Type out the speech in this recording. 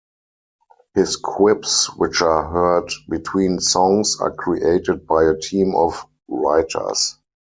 His quips which are heard between songs are created by a team of writers.